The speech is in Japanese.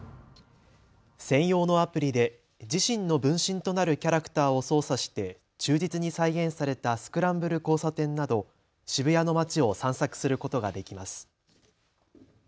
専用のアプリで自身の分身となるキャラクターを操作して忠実に再現されたスクランブル交差点など渋谷の街を散策することができます。